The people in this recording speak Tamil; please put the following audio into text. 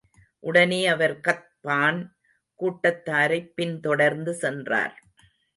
உடனே அவர் கத்பான் கூட்டத்தாரைப் பின்தொடர்ந்து சென்றார்.